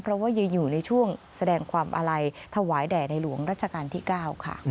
เพราะว่ายังอยู่ในช่วงแสดงความอาลัยถวายแด่ในหลวงรัชกาลที่๙ค่ะ